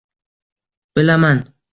Bilaman